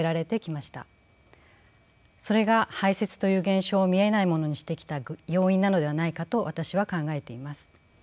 それが排泄という現象を見えないものにしてきた要因なのではないかと私は考えています。